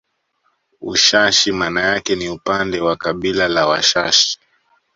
Ushashi maana yake ni upande wa kabila la Washashi